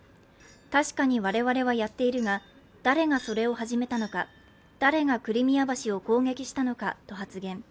確かに我々はやっているが誰がそれを始めたのか誰がクリミア橋を攻撃したのかと発言。